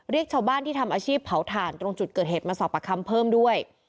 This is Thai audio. เรียกชาวบ้านที่ทำอาชีพเผาถ่านตรงจุดเกิดเหตุมาสอบประคำเพิ่มด้วย